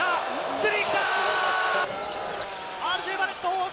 スリーきた。